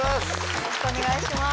よろしくお願いします。